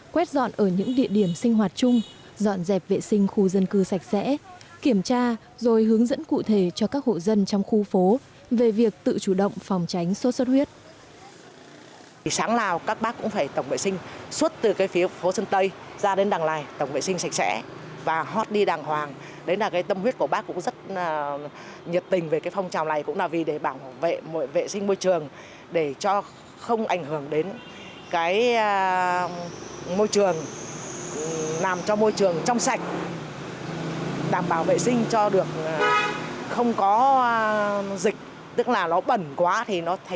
quét dọn ở những địa điểm sinh hoạt chung dọn dẹp vệ sinh khu dân cư sạch sẽ kiểm tra rồi hướng dẫn cụ thể cho các hộ dân trong khu phố về việc tự chủ động phòng tránh xuất xuất huyết